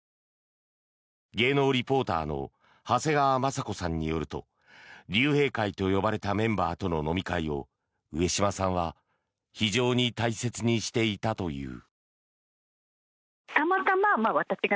芸能リポーターの長谷川まさ子さんによると竜兵会と呼ばれたメンバーとの飲み会を上島さんは非常に大切にしていたという。